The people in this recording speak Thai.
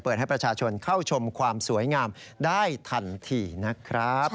ให้ประชาชนเข้าชมความสวยงามได้ทันทีนะครับ